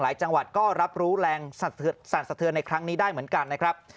จังหวัดก็รับรู้แรงสั่นสะเทือนในครั้งนี้ได้เหมือนกันนะครับ